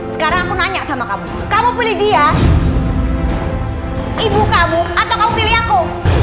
sekarang aku nanya sama kamu kamu pilih dia ibu kamu atau kamu pilih aku